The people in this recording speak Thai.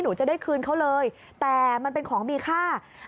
หนูจะได้คืนเขาเลยแต่มันเป็นของมีค่า